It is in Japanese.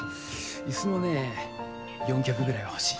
椅子もね４脚ぐらいは欲しい。